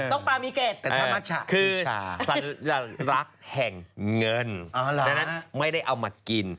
ต้องปลามีเกร็ดคือสัญลักษณ์แห่งเงินไม่ได้เอามากิน